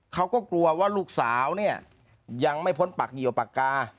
เขาก็กลัวว่าลูกสาวเนี่ยยังไม่พ้นปากเหนียวปากกา